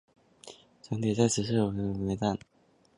城铁在此设有伊萨尔门站。